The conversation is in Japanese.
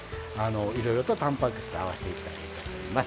いろいろとたんぱく質合わせていったらいいかと思います。